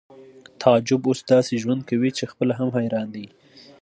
تعجب اوس داسې ژوند کوي چې خپله هم حیران دی